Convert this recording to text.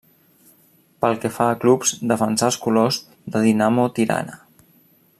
Pel que fa a clubs, defensà els colors de Dinamo Tirana.